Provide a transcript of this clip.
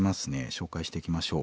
紹介していきましょう。